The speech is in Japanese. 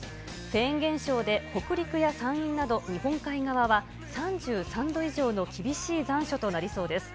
フェーン現象で北陸や山陰など日本海側は３３度以上の厳しい残暑となりそうです。